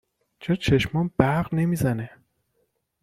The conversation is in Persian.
چرا چشمام برق نمی زنه؟